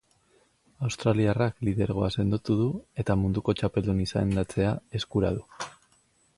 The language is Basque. Australiarrak lidergoa sendotu du eta munduko txapeldun izendatzea eskura du.